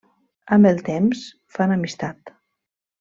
Amb el temps, fan amistat.